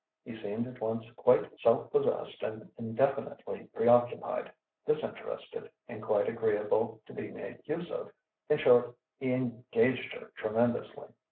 He seemed at once quite self possessed and indefinitely preoccupied, disinterested, and quite agreeable to be made use of. In short, he engaged her tremendously.